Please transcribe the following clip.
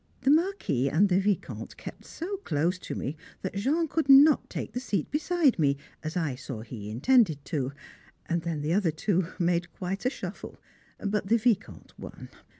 The Marquis and the Vicomte kept so close to me that Jean could not take the seat beside me, as I saw he intended to, and then the other two made quite a shuffle, but the Vicomte won.